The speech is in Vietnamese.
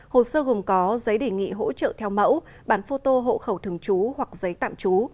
hồ sơ gồm có giấy đề nghị hỗ trợ theo mẫu bản phô tô hộ khẩu thường trú hoặc giấy tạm trú